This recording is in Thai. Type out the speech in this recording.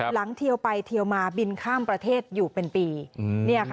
เทียวไปเทียวมาบินข้ามประเทศอยู่เป็นปี